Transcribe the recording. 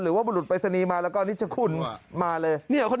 หรือว่าบริษัทปริศนีย์มาแล้วก็นิชคุณมาเลยนี่เหรอ